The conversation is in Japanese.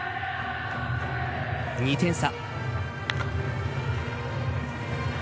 ２点差。